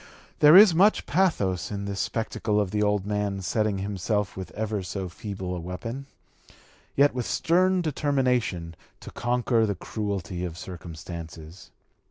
There is much pathos in this spectacle of the old man setting himself with ever so feeble a weapon, yet with stern determination, to conquer the cruelty of circumstances.